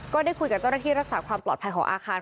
ก็ได้คุยกับเจ้าหน้าที่รักษาความปลอดภัยของอาคาร